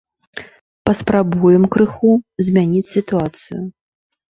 Паспрабуем крыху змяніць сітуацыю.